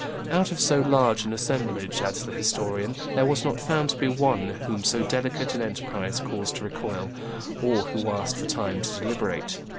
'" [De Thou, t. iii. pp. 467 480.] "Out of so large an assemblage," adds the historian, "there was not found to be one whom so delicate an enterprise caused to recoil, or who asked for time to deliberate.